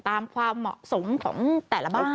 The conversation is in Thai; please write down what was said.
ความเหมาะสมของแต่ละบ้าน